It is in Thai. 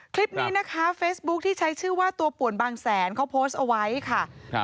คลิปนี้นะคะเฟซบุ๊คที่ใช้ชื่อว่าตัวป่วนบางแสนเขาโพสต์เอาไว้ค่ะครับ